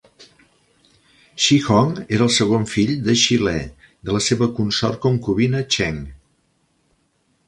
Shi Hong era el segon fill de Shi Le, de la seva consort concubina Cheng.